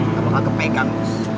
kamu gak kepegang